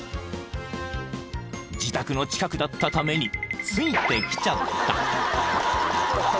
［自宅の近くだったためについてきちゃった］